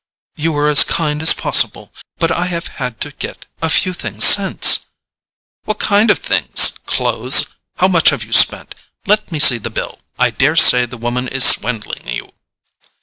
"You were as kind as possible; but I have had to get a few things since——" "What kind of things? Clothes? How much have you spent? Let me see the bill—I daresay the woman is swindling you."